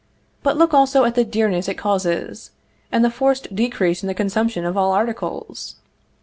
But look also at the dearness it causes, and the forced decrease in the consumption of all articles.